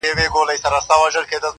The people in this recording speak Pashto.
که زر کلونه ژوند هم ولرمه.